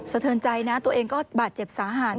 เทินใจนะตัวเองก็บาดเจ็บสาหัส